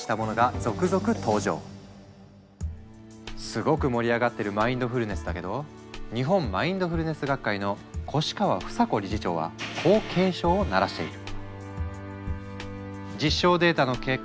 すごく盛り上がってるマインドフルネスだけど日本マインドフルネス学会の越川房子理事長はこう警鐘を鳴らしている。